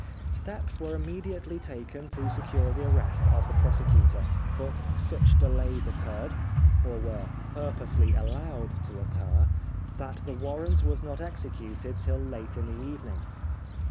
Steps were immediately taken to secure the arrest of the prosecutor, but such delays occurred, or were purposely allowed to occur, that the warrant was not executed till late in the evening.